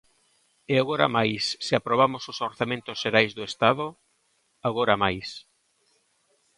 E agora máis, se aprobamos os orzamentos xerais do Estado; agora máis.